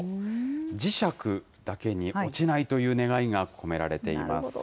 磁石だけに落ちないという願いが込められています。